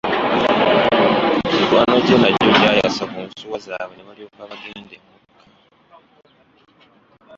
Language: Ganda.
Mikwano gye nagyo gyayasa ku nsuwa zaabwe ne balyoka bagendae emugga.